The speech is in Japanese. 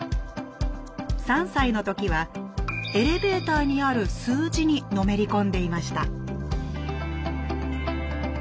３歳の時はエレベーターにある数字にのめり込んでいました